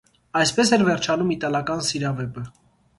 Այսպես էր վերջանում իտալական սիրավեպը: